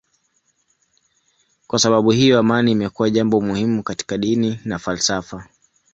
Kwa sababu hiyo amani imekuwa jambo muhimu katika dini na falsafa.